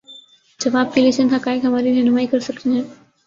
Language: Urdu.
جواب کے لیے چند حقائق ہماری رہنمائی کر سکتے ہیں۔